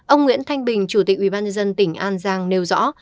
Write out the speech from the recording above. ông nguyễn thanh bình chủ tịch ubnd tỉnh an giang nêu rõ